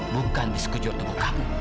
bukan di sekujur tubuh kamu